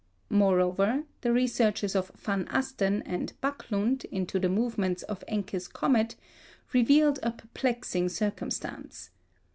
Moreover, the researches of Von Asten and Backlund into the movements of Encke's comet revealed a perplexing circumstance.